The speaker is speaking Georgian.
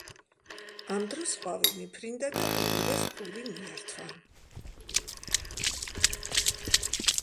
ამ დროს ყვავი მიფრინდა და ორივეს პური მიართვა.